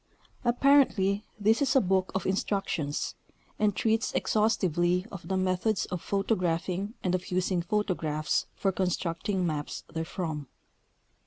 Apparently this is a book of instructions, and treats exhaustivel}'" of the methods of photographing and of using photographs for constructing maps therefrom.